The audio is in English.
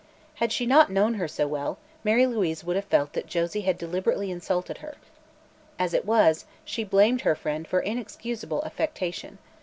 Had she not known her so well, Mary Louise would have felt that Josie had deliberately insulted her. As it was, she blamed her friend for inexcusable affectation.